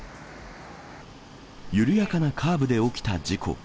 緩やかなカーブで起きた事故。